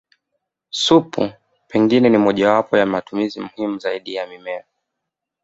Supu pengine ni mmojawapo ya matumizi muhimu zaidi ya mimea